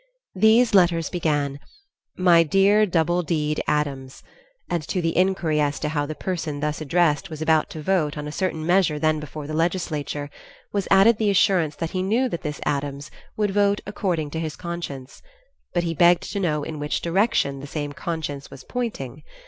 These letters began, "My dear Double D'ed Addams," and to the inquiry as to how the person thus addressed was about to vote on a certain measure then before the legislature, was added the assurance that he knew that this Addams "would vote according to his conscience," but he begged to know in which direction the same conscience "was pointing."